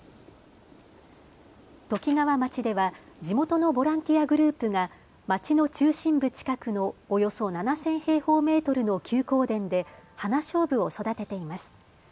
ときがわ町では地元のボランティアグループが町の中心部近くのおよそ７０００平方メートルの休耕田でハナショウブを育てています。